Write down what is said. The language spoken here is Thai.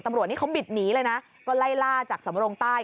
ตำรวจนี่เขาบิดหนีเลยนะก็ไล่ล่าจากสำรงใต้